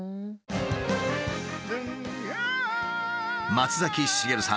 松崎しげるさん